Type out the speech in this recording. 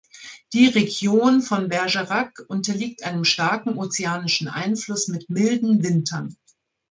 Die Region von Bergerac unterliegt einem starken ozeanischen Einfluss mit milden Wintern.